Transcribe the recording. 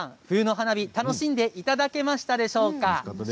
冬の花火、楽しんでいただけましたでしょうか？